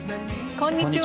こんにちは。